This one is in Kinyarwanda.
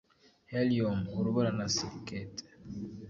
Helium, urubura na Silicate